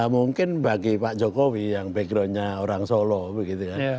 mungkin bagi pak jokowi yang backgroundnya orang solo begitu kan